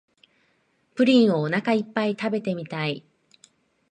プリンをおなかいっぱい食べてみたい